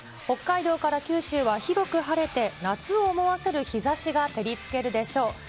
北海道から九州は広く晴れて、夏を思わせる日ざしが照りつけるでしょう。